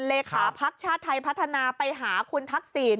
เลขาภักดิ์ชาติไทยพัฒนาไปหาคุณทักษิณ